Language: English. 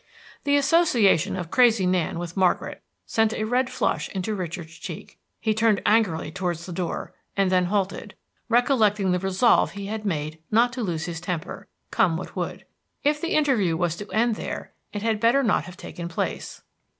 The association of Crazy Nan with Margaret sent a red flush into Richard's cheek. He turned angrily towards the door, and then halted, recollecting the resolve he had made not to lose his temper, come what would. If the interview was to end there it had better not have taken place.